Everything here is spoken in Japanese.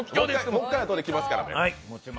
もう一回、あとで来ますからね。